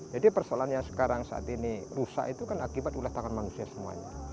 jadi persoalannya sekarang saat ini rusak itu kan akibat ulas tangan manusia semuanya